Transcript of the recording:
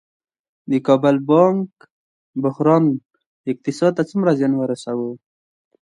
د کابل بانک بحران اقتصاد ته څومره زیان ورساوه؟